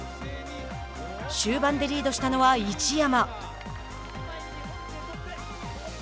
終盤でリードしたのは市山。